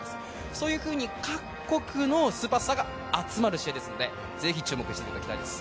そういうふうに各国のスーパースターが集まる試合ですのでぜひ注目していただきたいです。